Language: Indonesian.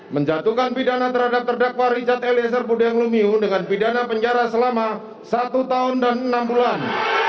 menjatuhkan pidana terhadap terdakwa richard eliezer budiang lumiu dengan pidana penjara selama satu tahun dan enam bulan